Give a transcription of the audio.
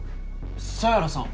犀原さん。